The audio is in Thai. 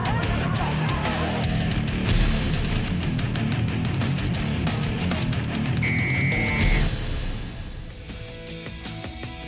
สวัสดีครับ